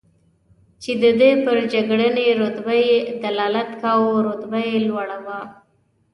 چې د ده پر جګړنۍ رتبه یې دلالت کاوه، رتبه یې لوړه وه.